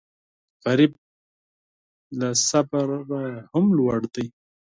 غریب له صبره هم لوړ دی